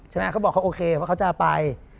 เขาบอกเขาโอเคว่าเขาจะไป